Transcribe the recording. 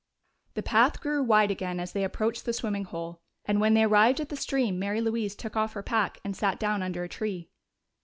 The path grew wide again as they approached the swimming hole, and when they arrived at the stream Mary Louise took off her pack and sat down under a tree.